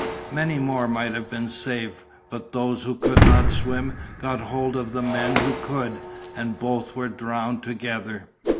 Many more might have been saved; but those who could not swim got hold of the men who could, and both were drowned together.